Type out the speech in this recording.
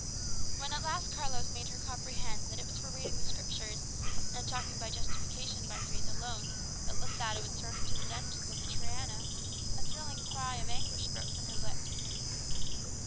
When at last Carlos made her comprehend that it was for reading the Scriptures, and talking of justification by faith alone, that Losada was thrown into the dungeons of the Triana, a thrilling cry of anguish broke from her lips.